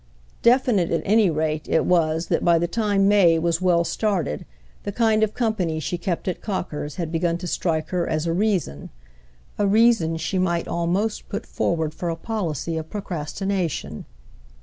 Definite at any rate it was that by the time May was well started the kind of company she kept at Cocker's had begun to strike her as a reason—a reason she might almost put forward for a policy of procrastination.